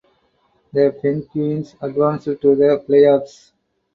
The Penguins advanced to the playoffs.